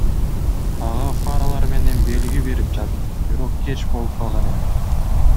Ага фаралар менен белги берип жатттым, бирок кеч болуп калган эле.